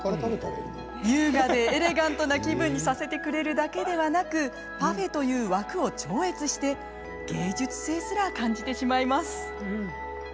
優雅でエレガントな気分にさせてくれるだけではなくパフェという枠を超越して芸術性すら感じてしまいます。